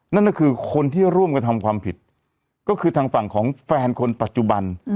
นั่นก็คือคนที่ร่วมกระทำความผิดก็คือทางฝั่งของแฟนคนปัจจุบัน